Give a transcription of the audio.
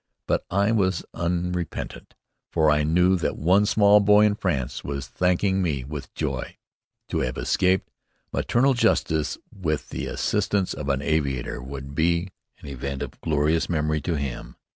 But I was unrepentant, for I knew that one small boy in France was thinking of me with joy. To have escaped maternal justice with the assistance of an aviator would be an event of glorious memory to him.